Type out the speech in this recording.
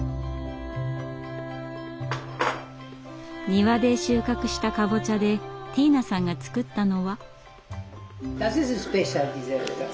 庭で収穫したカボチャでティーナさんが作ったのは。